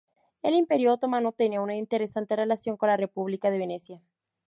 El Imperio otomano tenía una interesante relación con la República de Venecia.